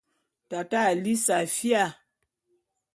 Tate a lí safía.